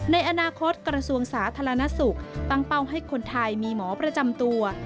ในอนาคตกระทรวงสาธารณสุขตั้งเป้าให้คนไทยมีหมอประจำตัว